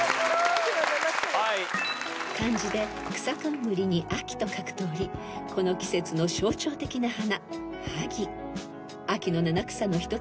［漢字で草冠に秋と書くとおりこの季節の象徴的な花］